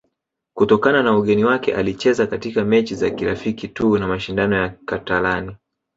kutokana na ugeni wake alicheza katika mechi za kirafiki tu na mashindano ya katalani